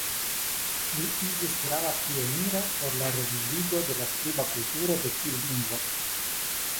Li iĝis grava pioniro por la revivigo de la skriba kulturo de tiu lingvo.